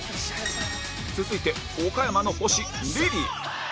続いて岡山の星リリー